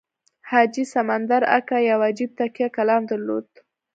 حاجي سمندر اکا یو عجیب تکیه کلام درلود.